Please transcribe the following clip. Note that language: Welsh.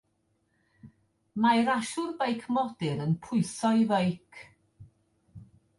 Mae rasiwr beic modur yn pwyso'i feic.